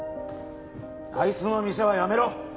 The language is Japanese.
あいつの店は辞めろ！